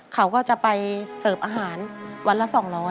เขาก็จะไปเสิร์ฟอาหารวันละ๒๐๐